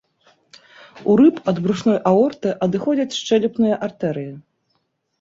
У рыб ад брушной аорты, адыходзяць шчэлепныя артэрыі.